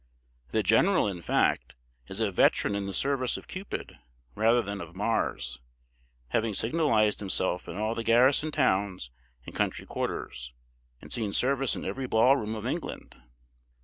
The general, in fact, is a veteran in the service of Cupid rather than of Mars, having signalised himself in all the garrison towns and country quarters, and seen service in every ball room of England.